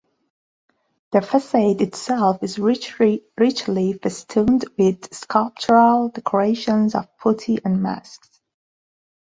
The facade itself is richly festooned with sculptural decorations of putti and masks.